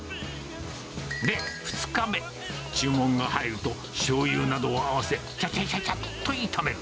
で、２日目、注文が入ると、しょうゆなどを合わせ、ちゃちゃちゃちゃっと炒める。